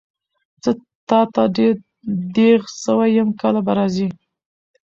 زه تاته ډېر دیغ سوی یم کله به راځي؟